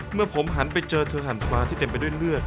เมื่อผมหันไปเจอเธอหั่นทวาที่เต็มไปด้วยเลือด